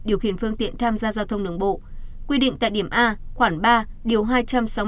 điều khiển phương tiện tham gia giao thông đường bộ quy định tại điểm a khoảng ba